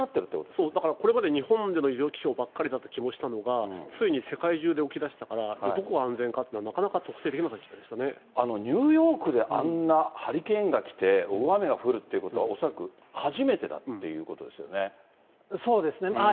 そう、だからこれまで日本での異常気象ばっかりな気もしたのが、ついに世界中で起きだしたから、どこが安全かっていうのはなかなニューヨークであんな、ハリケーンが来て、大雨が降るってことは、恐らく初めてだっていうこそうですね。